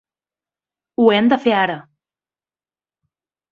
Ho hem de fer ara.